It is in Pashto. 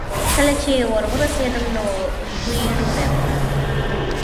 کله چې ور ورسېدم، نو دوی ډوډۍ خوړه.